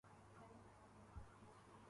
پہاڑوں میں ہوا بہت تازہ ہے۔